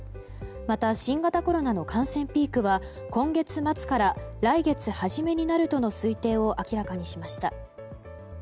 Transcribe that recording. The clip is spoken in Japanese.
また新型コロナの感染ピークは今月末から来月初めになるとの推定を明らかにしました。